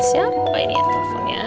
siapa ini ya teleponnya